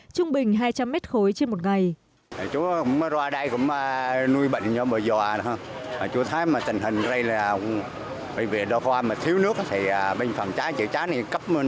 trung bình hai trăm linh mét khối trên một ngày